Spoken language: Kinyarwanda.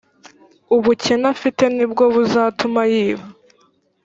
ubukene afite nibwo buzatuma yiba